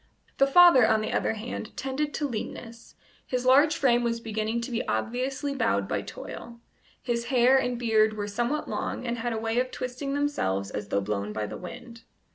The father, on the other hand, tended to leanness; his large frame was beginning to be obviously bowed by toil; his hair and beard were somewhat long, and had a way of twisting themselves as though blown by the wind.